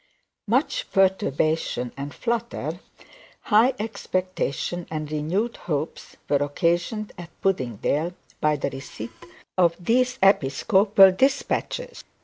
Much perturbation and flutter, high expectation and renewed hopes, were occasioned at Puddingdale, by the receipt of those episcopal dispatches.